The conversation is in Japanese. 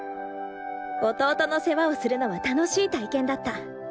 弟の世話をするのは楽しい体験だった。